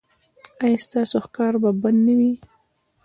ایا ستاسو ښکار به بند نه وي؟